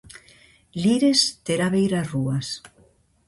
Lires terá beirarrúas.